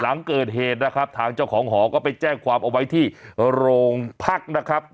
หลังเกิดเหตุนะครับทางเจ้าของหอก็ไปแจ้งความเอาไว้ที่โรงพักนะครับ